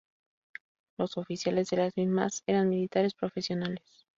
Los oficiales de las mismas eran militares profesionales.